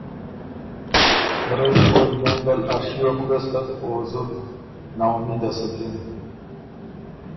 ته رئ او یمېندل ا ڒیوف ګستک او زُت نا اُمېده سُکِن۔